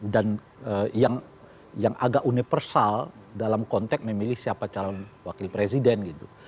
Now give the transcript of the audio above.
dan yang agak universal dalam konteks memilih siapa calon wakil presiden gitu